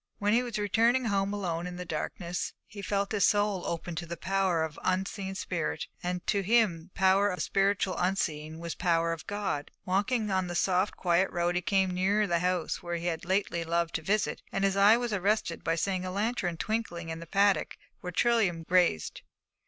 When he was returning home alone in the darkness, he felt his soul open to the power of unseen spirit, and to him the power of the spiritual unseen was the power of God. Walking on the soft, quiet road, he came near the house where he had lately loved to visit, and his eye was arrested by seeing a lantern twinkling in the paddock where Trilium grazed.